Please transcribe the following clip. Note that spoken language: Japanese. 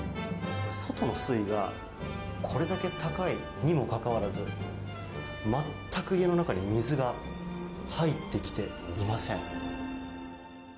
外の水位がこれだけ高いにもかかわらず全く家の中に水が入ってきていません。